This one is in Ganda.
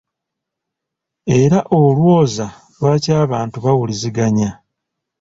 Era olwooza lwaki abantu bawuliziganya?